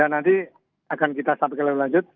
nanti akan kita sampai ke lalu lanjut